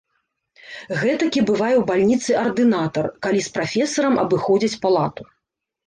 Гэтакі бывае ў бальніцы ардынатар, калі з прафесарам абыходзяць палату.